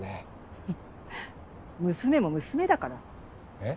フフッ娘も娘だから。え？